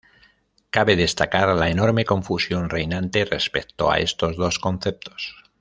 Cabe destacar la enorme confusión reinante respecto a estos dos conceptos.